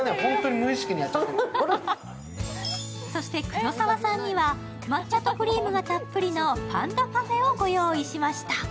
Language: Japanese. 黒沢さんには抹茶とクリームがたっぷりのパンダパフェを御用意しました。